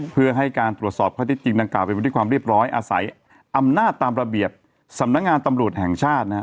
เพื่อให้การตรวจสอบข้อที่จริงดังกล่าเป็นไปด้วยความเรียบร้อยอาศัยอำนาจตามระเบียบสำนักงานตำรวจแห่งชาตินะฮะ